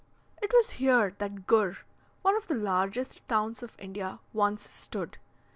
It was here that Gur, one of the largest towns of India, once stood.